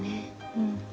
うん。